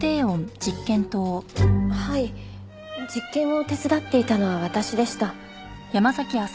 はい実験を手伝っていたのは私でした。